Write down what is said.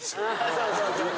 そうそう。